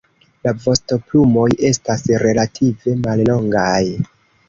La vostoplumoj estas relative mallongaj.